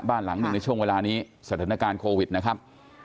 บ้านหลังหนึ่งในช่วงเวลานี้สถานการณ์โควิดนะครับ